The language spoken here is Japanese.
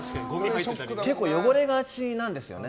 結構汚れがちなんですよね。